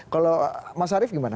kalau mas arif gimana